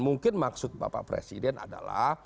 mungkin maksud bapak presiden adalah